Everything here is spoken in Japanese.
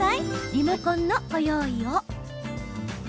リモコンのご用意を。